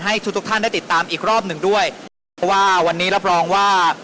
ทุกทุกท่านได้ติดตามอีกรอบหนึ่งด้วยเพราะว่าวันนี้รับรองว่า